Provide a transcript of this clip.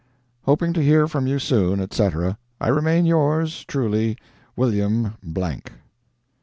Hoping to hear from you soon, etc., I remain yours, truly, WILLIAM _____.